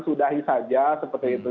sudahi saja seperti itu